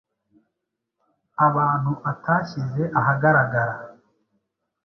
abantu atashyize ahagaragara